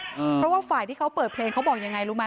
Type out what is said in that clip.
เพราะว่าฝ่ายที่เขาเปิดเพลงเขาบอกยังไงรู้ไหม